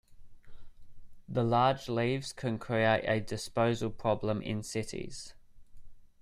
The large leaves can create a disposal problem in cities.